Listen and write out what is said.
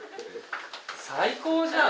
最高じゃん。